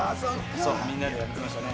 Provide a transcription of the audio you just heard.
みんなでやってました。